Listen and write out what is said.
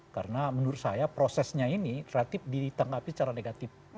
karena menurut saya prosesnya ini teratip ditanggapi secara negatif